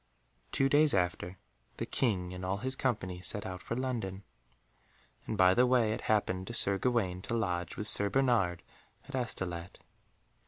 Two days after the King and all his company set out for London, and by the way, it happened to Sir Gawaine to lodge with Sir Bernard at Astolat.